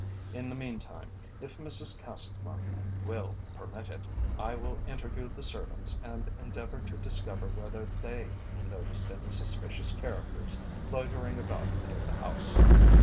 In the meantime, if Mrs Castellan will permit it, I will interview the servants and endeavour to discover whether they noticed any suspicious characters loitering about near the house."